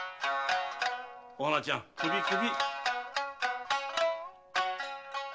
［お花ちゃん首首］